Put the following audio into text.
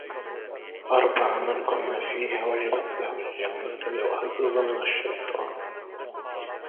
أَرْبَعٌ مَنْ كُنَّ فِيهِ وَجَبَتْ لَهُ الْجَنَّةُ وَحُفِظَ مِنْ الشَّيْطَانِ